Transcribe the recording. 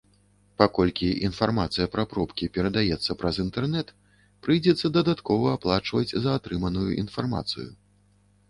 Паколькі інфармацыя пра пробкі перадаецца праз інтэрнэт, прыйдзецца дадаткова аплачваць за атрыманую інфармацыю.